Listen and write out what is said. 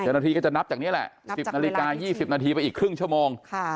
เจ้าหน้าที่ก็จะนับจากนี้แหละ๑๐นาฬิกา๒๐นาทีไปอีกครึ่งชั่วโมง